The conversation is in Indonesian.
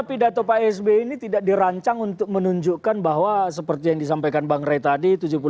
pidato ini tidak dirancang untuk menunjukkan bahwa seperti yang disampaikan bang ray tadi